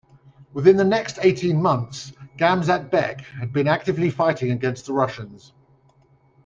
Within the next eighteen months, Gamzat-bek had been actively fighting against the Russians.